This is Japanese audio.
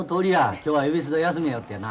今日は恵比寿座休みやよってやな。